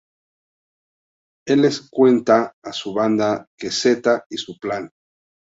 Él les cuenta a su banda que Z y su plan.